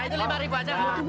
itu lima ribu aja